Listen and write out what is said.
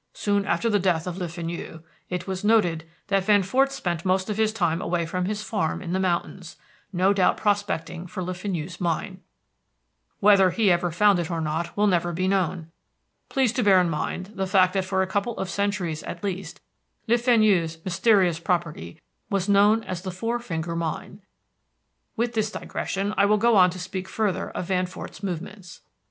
Soon after the death of Le Fenu, it was noted that Van Fort spent most of his time away from his farm in the mountains, no doubt prospecting for Le Fenu's mine. Whether he ever found it or not will never be known. Please to bear in mind the fact that for a couple of centuries at least Le Fenu's mysterious property was known as the Four Finger Mine. With this digression, I will go on to speak further of Van Fort's movements.